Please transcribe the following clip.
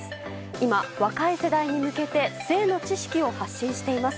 今、若い世代に向けて性の知識を発信しています。